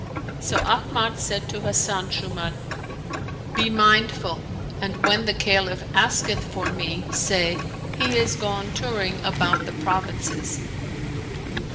So Ahmad said to Hasan Shuuman, " Be mindful and, when the Caliph ;^isketh for me, say : He is gone touring about the provinces!